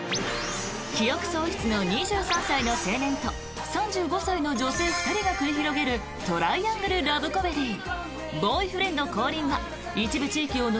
記憶喪失の２３歳の青年と３５歳の女性２人が繰り広げるトライアングルラブコメディー。